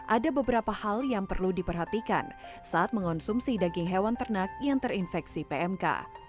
ada beberapa hal yang perlu diperhatikan saat mengonsumsi daging hewan ternak yang terinfeksi pmk